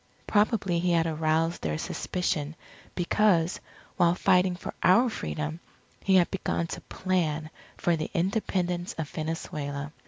Probably he had aroused their suspicion because, while fighting for our Freedom, he had begun to plan for the Independence of Venezuela.